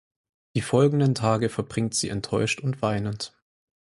Die folgenden Tage verbringt sie enttäuscht und weinend.